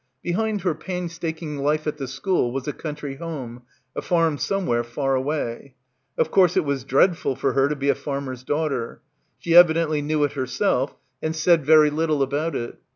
Behind her painstaking life at the school was a country home, a farm somewhere far away. Of course it was dreadful for her to be a farmer's daughter. She — 88 — BACKWATER evidently knew it herself and said very little about it.